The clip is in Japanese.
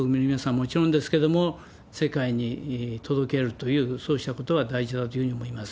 もちろんですけれども、世界に届けるという、そうしたことが大事だというふうに思います。